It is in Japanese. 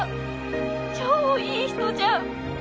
超いい人じゃん！